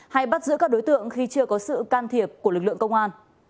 hay bắt giữ các đối tượng khi chưa có sự can thiệp của lực lượng công an